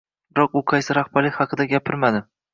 Lekin u qaysi rahbarlik haqida gapirmadi